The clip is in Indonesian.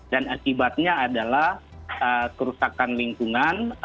dan akibatnya adalah kerusakan lingkungan